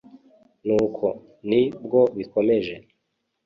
nuko ni bwo bikomeje